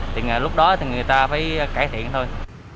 thì lúc đó thì người ta mới cải thiện thôi